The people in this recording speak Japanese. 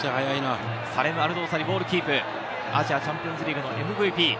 サレム・アルドーサリ、ボールキープ、アジアチャンピオンズリーグのＭＶＰ。